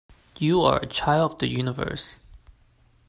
You are a child of the universe